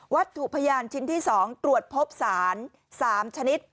ถูกพยานชิ้นที่๒ตรวจพบสาร๓ชนิด